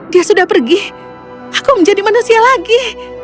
dia sudah pergi aku menjadi manusia lagi